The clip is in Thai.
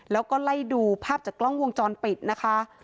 แล้วก็ไล่ดูภาพจากกล้องวงจรปิดนะคะ